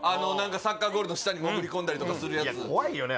サッカーゴールの下に潜り込んだりとかするやつ怖いよね